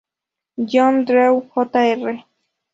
John Drew, Jr.